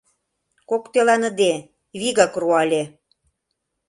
Коктеланыде, вигак руале: